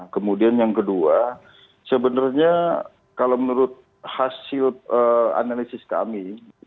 kemudian yang kedua sebenarnya kalau menurut hasil analisis kami